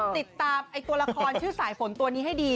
ติดตามตัวละครชื่อสายฝนตัวนี้ให้ดี